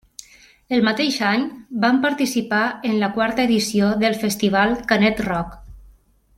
El mateix any van participar en la quarta edició del Festival Canet Rock.